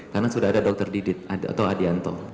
karena sudah ada dokter didit atau adianto